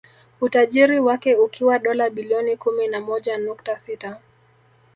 Utajiri wake ukiwa dola bilioni kumi na moja nukta sita